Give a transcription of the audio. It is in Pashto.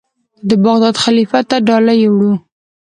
ما د بغداد خلیفه ته ډالۍ یووړه.